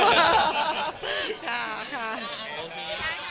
โปรดติดตามตอนต่อไป